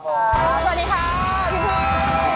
สวัสดีครับพี่ลุง